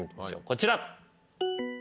こちら。